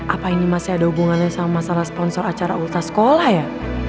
apa ini masih ada hubungannya sama masalah sponsor acara ultas sekolah ya